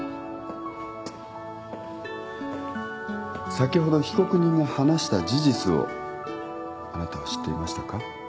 先ほど被告人が話した事実をあなたは知っていましたか？